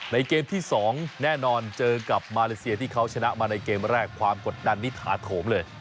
เกมที่๒แน่นอนเจอกับมาเลเซียที่เขาชนะมาในเกมแรกความกดดันนี้ถาโถมเลย